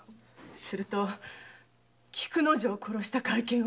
すると菊之丞を殺した懐剣はそちが！